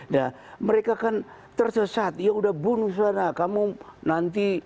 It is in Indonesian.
nah mereka kan tersesat ya udah bunuh sana kamu nanti